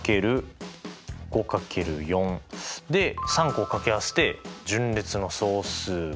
で３個をかけ合わせて順列の総数が。